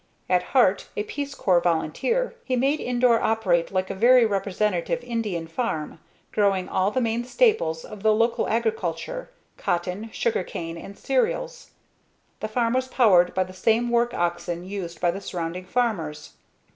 At heart a Peace Corps volunteer, he made Indore operate like a very representative Indian farm, growing all the main staples of the local agriculture: cotton, sugar cane, and cereals. The farm was powered by the same work oxen used by the surrounding farmers.